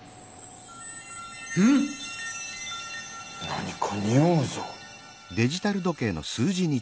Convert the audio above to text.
何かにおうぞ。